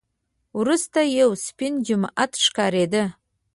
وروسته یو سپین جومات ښکارېده.